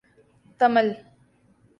Tamil